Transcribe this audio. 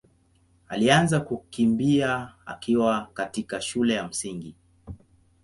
alianza kukimbia akiwa katika shule ya Msingi.